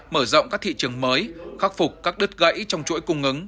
mở rộng các thị trường mới khắc phục các đứt gãy trong chuỗi cung ứng